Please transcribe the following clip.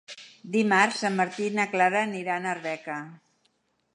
Dimarts en Martí i na Clara aniran a Arbeca.